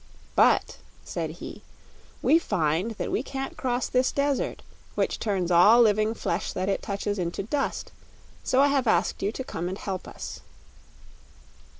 "But," said he, "we find that we can't cross this desert, which turns all living flesh that touches it into dust; so I have asked you to come and help us."